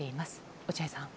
落合さん。